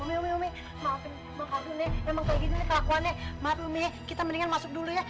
umi umi umi maafin bang kadun emang kaya gini nih kelakuannya maaf umi kita mendingan masuk dulu ya